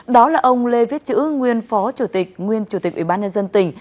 đó là ông lê viết chữ nguyên phó chủ tịch nguyên chủ tịch ủy ban nhân dân tỉnh